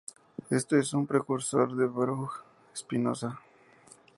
En esto, es un precursor de Baruj Spinoza.